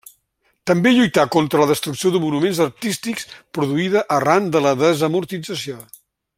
També lluità contra la destrucció de monuments artístics produïda arran de la desamortització.